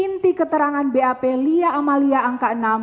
inti keterangan bap lia amalia angka enam